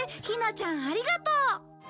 ひなちゃんありがとう。